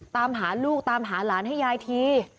ตามหาลูกตามหาหลานให้ยายที